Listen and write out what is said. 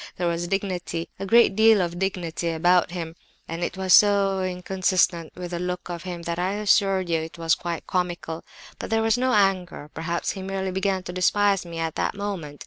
There was dignity, a great deal of dignity, about him, and it was so inconsistent with the look of him that, I assure you, it was quite comical. But there was no anger. Perhaps he merely began to despise me at that moment.